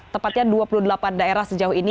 tepatnya dua puluh delapan daerah sejauh ini